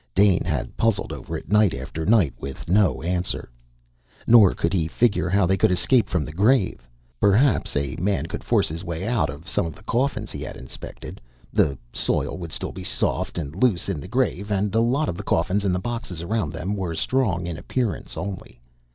Dane had puzzled over it night after night, with no answer. Nor could he figure how they could escape from the grave. Perhaps a man could force his way out of some of the coffins he had inspected. The soil would still be soft and loose in the grave and a lot of the coffins and the boxes around them were strong in appearance only.